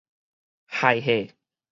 害貨